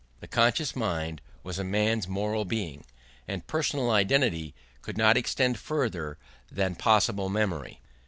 _ This conscious mind was a man's moral being, and personal identity could not extend further than possible memory.